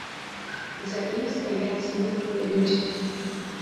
За ім стаяць зніклыя людзі.